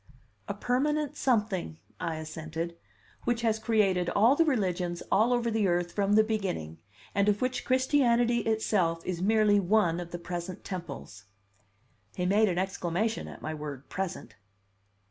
"A permanent something," I assented, "which has created all the religions all over the earth from the beginning, and of which Christianity itself is merely one of the present temples." He made an exclamation at my word "present."